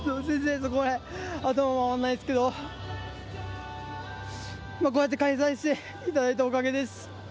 頭が回らないですけどこうやって開催していただいたおかげです。